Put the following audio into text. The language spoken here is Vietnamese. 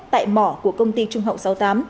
tại mỏ của công ty trung hậu sáu mươi tám